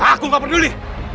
aku gak peduli